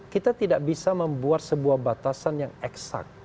kita tidak bisa membuat sebuah batasan yang eksak